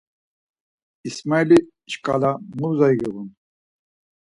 İsmaili şkala mu zori giğun?